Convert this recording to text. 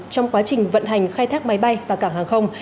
trong quá trình vận hành khai thác máy bay và cảng hàng không